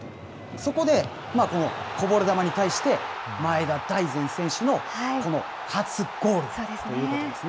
そこでこのこぼれ球に対して、前田大然選手のこの初ゴールということですね。